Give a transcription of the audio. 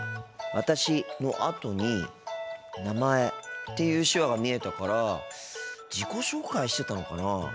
「私」のあとに「名前」っていう手話が見えたから自己紹介してたのかなあ。